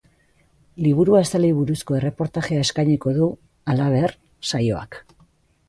Liburu azalei buruzko erreportajea eskainiko du, halaber, saioak.